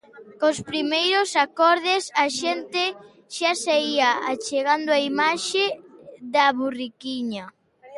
Cos primeiros acordes, a xente xa se ía achegando á imaxe da Burriquiña.